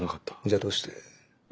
じゃあどうして。